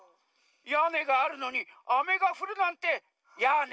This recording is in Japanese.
やねがあるのにあめがふるなんてやね。